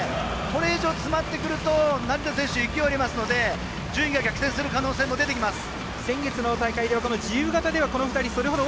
これ以上、詰まってくると成田選手、勢いありますので順位が逆転する可能性があります。